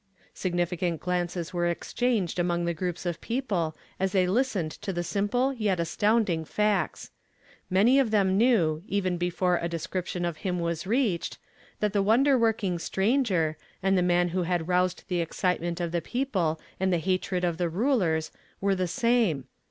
Significant glances were exchanged among the groups of people as they listened to the simple yet astounding facts. i\Iany of them knew, even be fore a description of him was reached, that the wonder working stranger, and the man who had roused the excitement of the people and the hatred n i "TO OPEN THE BLIND EYES." 237 of the rulers, were the same.